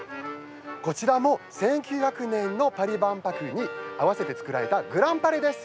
こちらも１９００年のパリ万博に合わせて造られたグラン・パレです。